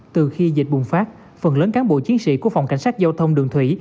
từ khi dịch bùng phát phần lớn cán bộ chiến sĩ của phòng cảnh sát giao thông đường thủy